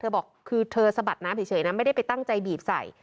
บอกคือเธอสะบัดน้ำเฉยนะไม่ได้ไปตั้งใจบีบใส่